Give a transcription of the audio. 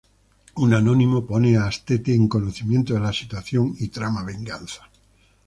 Un anónimo pone a Astete en conocimiento de la situación y trama venganza.